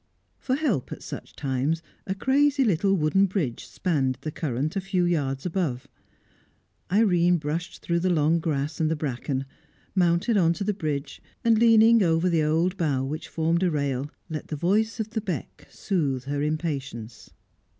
For help at such times, a crazy little wooden bridge spanned the current a few yards above. Irene brushed through the long grass and the bracken, mounted on to the bridge, and, leaning over the old bough which formed a rail, let the voice of the beck soothe her impatience.